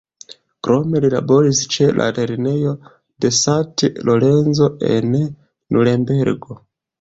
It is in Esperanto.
Krome li laboris ĉe la lernejo de St. Lorenz en Nurenbergo.